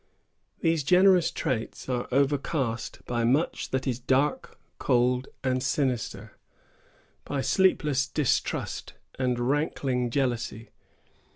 These generous traits are overcast by much that is dark, cold, and sinister, by sleepless distrust, and rankling jealousy.